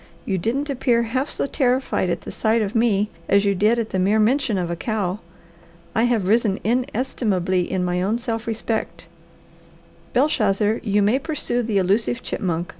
"You didn't appear half so terrified at the sight of me as you did at the mere mention of a cow. I have risen inestimably in my own self respect. Belshazzar, you may pursue the elusive chipmunk.